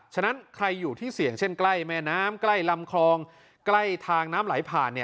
ฉะนั้นใครอยู่ที่เสี่ยงเช่นใกล้แม่น้ำใกล้ลำคลองใกล้ทางน้ำไหลผ่าน